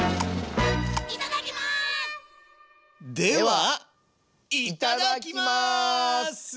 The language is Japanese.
ではいただきます！